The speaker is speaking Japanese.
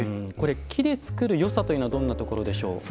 木で作るよさというのはどんなところでしょう。